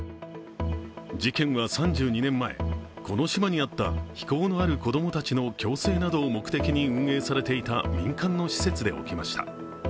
事件は３２年前、この島にあった非行のある子供たちの矯正などを目的に運営されていた民間の施設で起きました。